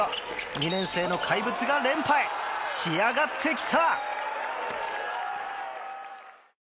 ２年生の怪物が連覇へ仕上がってきた！